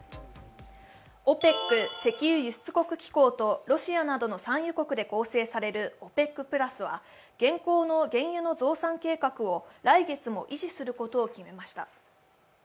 ＯＰＥＣ＝石油輸出国機構とロシアなどの産油国で構成されるＯＰＥＣプラスは原稿の原油の増産計画を来月も維持することを決めました。